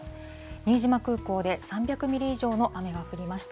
新島空港で３００ミリ以上の雨が降りました。